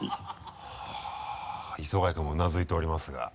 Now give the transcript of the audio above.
はぁ磯貝君もうなずいておりますが。